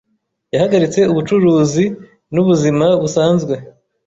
yahagaritse ubucuruzi n'ubuzima busanzwe